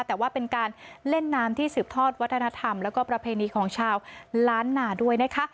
แต่ว่าเป็นการเล่นน้ำที่สืบทอดวัฒนธรรมแล้วก็ประเพณีของชาวล้านนาด้วยนะคะ